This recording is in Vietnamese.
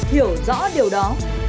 hiểu rõ điều đó